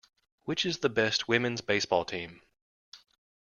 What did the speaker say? Which is the best women's baseball team?